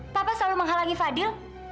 papa selalu menghalangi fadil